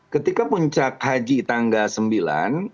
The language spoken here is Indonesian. ketika puncak haji tanggal sembilan